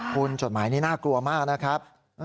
คุณจดหมายนี้น่ากลัวมากนะครับ